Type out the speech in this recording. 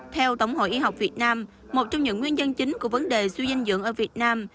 theo tổng hội y học việt nam một trong những nguyên nhân chính của vấn đề suy dinh dưỡng ở việt nam